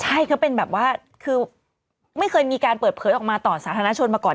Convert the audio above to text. ใช่ก็เป็นแบบว่าคือไม่เคยมีการเปิดเผยออกมาต่อสาธารณชนมาก่อน